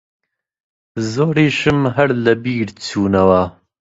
زۆریشم هەر لەبیر چوونەوە